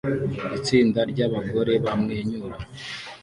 Itsinda ryabagore bamwenyura